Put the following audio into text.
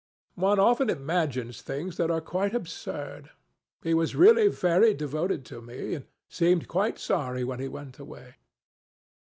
One often imagines things that are quite absurd. He was really very devoted to me and seemed quite sorry when he went away.